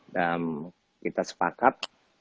dan kita sepakat